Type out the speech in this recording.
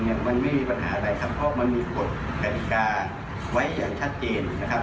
มันไม่มีปัญหาอะไรครับเพราะมันมีกฎกฎิกาไว้อย่างชัดเจนนะครับ